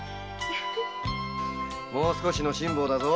もう少しの辛抱だぞ。